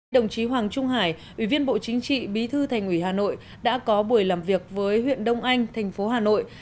đồng chí hoàng trung hải ủy viên bộ chính trị bí thư thành ủy hà nội đã có buổi làm việc với huyện đông anh thành phố hà nội